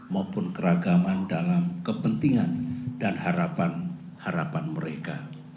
maupun keragaman dalam kepentingan dan harapan harapan mereka